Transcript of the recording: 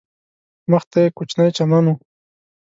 مخ ته یې کوچنی چمن و.